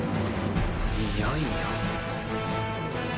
いやいや。